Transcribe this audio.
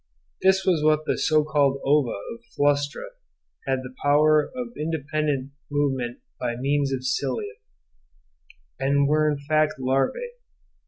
This was that the so called ova of Flustra had the power of independent movement by means of cilia, and were in fact larvae.